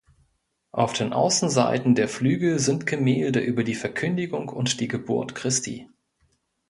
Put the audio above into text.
Auf den Außenseiten der Flügel sind Gemälde über die Verkündigung und die Geburt Christi.